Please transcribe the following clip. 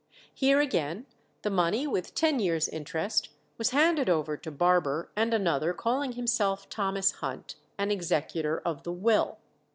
Here again the money, with ten years' interest, was handed over to Barber and another calling himself Thomas Hunt, an executor of the will.